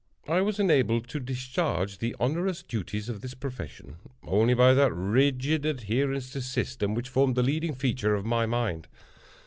I was enabled to discharge the onerous duties of this profession, only by that rigid adherence to system which formed the leading feature of my mind.